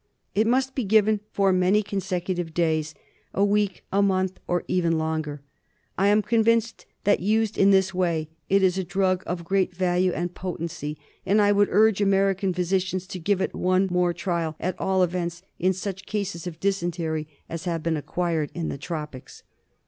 It must be given for many consecutive days — a week, a month, or even longer. I am convinced that used in this way it is a drug of great value and potency ; and I would urge American physicians to give it one more trial, at all events in such cases of dysentery as have been acquired in the tropics.